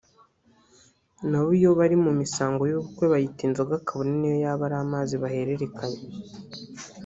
nabo iyo bari mu misango y’ubukwe bayita inzoga kabone n’iyo yaba ari amazi bahererekanya